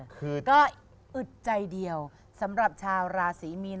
คือก็อึดใจเดียวสำหรับชาวราศีมีน